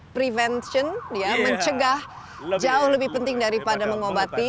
prevention mencegah jauh lebih penting daripada mengobati